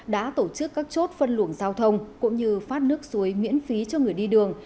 đã tổ chức các chốt phân luồng giao thông cũng như phát nước suối miễn phí cho người đi đường